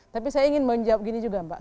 tapi saya ingin menjawab gini juga mbak